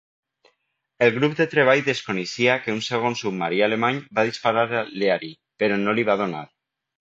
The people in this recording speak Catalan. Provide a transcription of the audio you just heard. El grup de treball desconeixia que un segon submarí alemany va disparar al "Leary" però no li va donar.